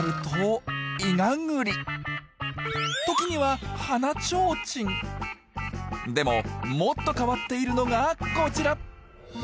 時にはでももっと変わっているのがこちら。